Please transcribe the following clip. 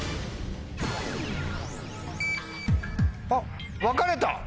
あっ分かれた！